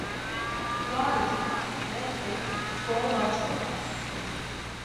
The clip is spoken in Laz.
Var, cuma, berepek mtzǩo var ç̌ǩomes.